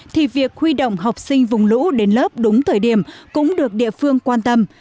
thì việc huy động học sinh vùng lũ đến lớp đúng thời điểm cũng được địa phương quan tâm